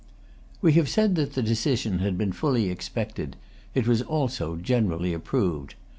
We have said that the decision had been fully expected. It was also generally approved.